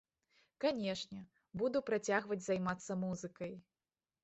Канешне, буду працягваць займацца музыкай.